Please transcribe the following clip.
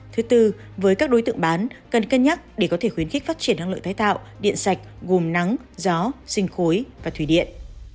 thứ tư với các đối tượng bán cần cân nhắc để có thể khuyến khích phát triển năng lượng tái tạo điện sạch gồm nắng gió sinh khối và thủy điện